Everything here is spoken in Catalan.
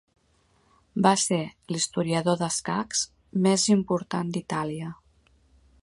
Va ser l'historiador d'escacs més important d'Itàlia.